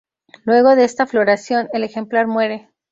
Luego de esta floración el ejemplar muere.